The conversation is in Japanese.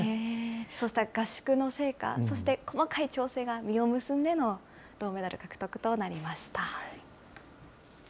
そうした合宿の成果、そして細かい調整が実を結んでの銅メダル獲得となりました。